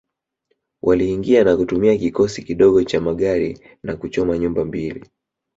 Waliingia kwa kutumia kikosi kidogo cha magari na kuchoma nyumba mbili